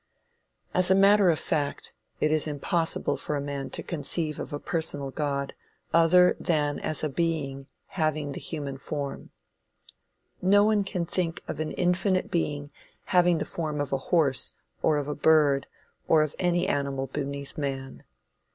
As a matter of fact, it is impossible for a man to conceive of a personal God, other than as a being having the human form. No one can think of an infinite being having the form of a horse, or of a bird, or of any animal beneath man.